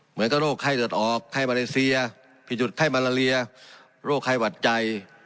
เหมือนกับโรคไข้เลือดออกไข้มาเลเซียผิดจุดไข้มาลาเลียโรคไข้หวัดใจ